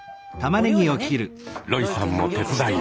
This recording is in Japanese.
ロイさんも手伝います。